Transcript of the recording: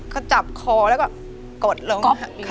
เขาจับคอแล้วก็กดลง